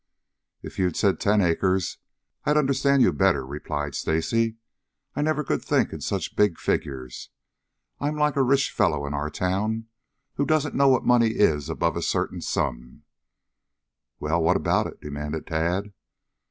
"If you'd said ten acres, I'd understand you better," replied Stacy. "I never could think in such big figures. I'm like a rich fellow in our town, who doesn't know what money is above a certain sum." "Well, what about it?" demanded Tad.